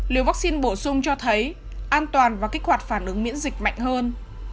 liều vắc xin bổ sung cho thấy an toàn và kích hoạt phản ứng miễn dịch mạnh hơn